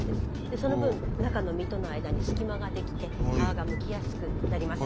その分中の身との間に隙間ができて皮がむきやすくなります。